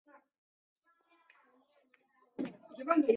而且这还有利于日后获取英属哥伦比亚。